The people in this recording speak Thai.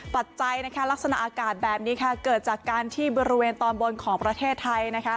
ปัจจัยนะคะลักษณะอากาศแบบนี้ค่ะเกิดจากการที่บริเวณตอนบนของประเทศไทยนะคะ